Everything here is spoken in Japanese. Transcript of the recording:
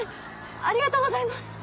ありがとうございます。